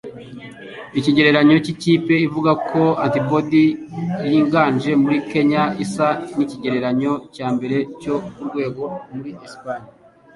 Ikigereranyo cy'ikipe ivuga ko antibody yiganje muri Kenya isa n'ikigereranyo cyambere cyo kurwego muri Espagne.